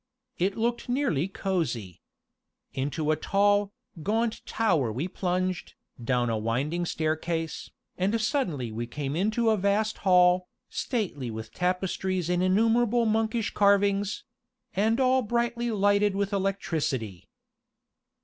It looked nearly cozy. Into a tall, gaunt tower we plunged, down a winding staircase, and suddenly we came into a vast hall, stately with tapestries and innumerable monkish carvings and all brightly lighted with electricity!